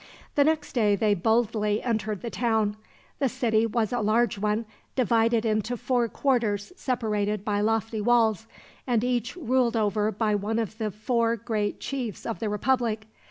The next day they boldly entered the town. The city was a large one, divided into four quarters separated by lofty walls, and each ruled over by one of the four great chiefs of the republic.